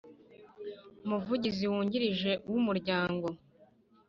Umuvugizi Wungirije w Umuryango